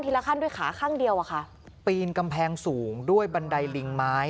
ละขั้นด้วยขาข้างเดียวอะค่ะปีนกำแพงสูงด้วยบันไดลิงไม้